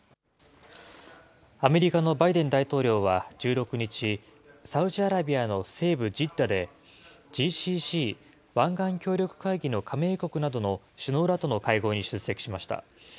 アメリカのバイデン大統領は１６日、サウジアラビアの西部ジッダで、ＧＣＣ・湾岸協力会議の加盟国などの首脳らとの会合に出席しました。